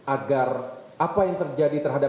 agar apa yang terjadi terhadap